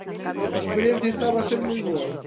A experiencia estaba a ser moi boa.